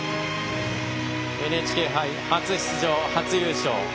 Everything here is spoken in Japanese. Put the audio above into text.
ＮＨＫ杯初出場、初優勝。